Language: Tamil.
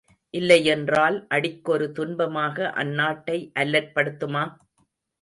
இல்லையென்றால், அடிக்கொரு துன்பமாக அந்நாட்டை அல்லற்படுத்துமா?